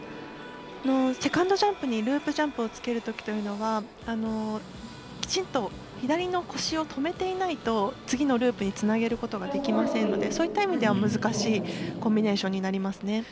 セカンドジャンプにループジャンプをつけるときというのはきちんと、左の腰を止めていないと次のループにつなげることができませんのでそういった意味では難しいコンビネーションになりますね。